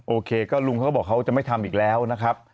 โอเคก็ลุงเขาก็บอกเขาจะไม่ทำอีกแล้วนะครับ